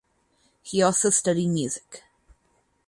He also studied music.